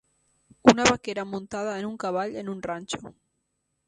Una vaquera muntada en un cavall en un ranxo.